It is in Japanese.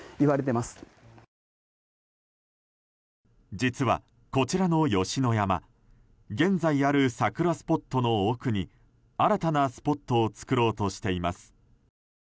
実はこちらの吉野山現在ある桜スポットの奥に新たなスポットを作ろうとしています。